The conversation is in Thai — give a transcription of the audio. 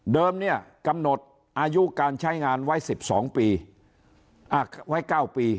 เดิมกำหนดอายุการใช้งานไว้๙ปี